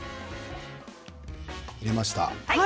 入れました。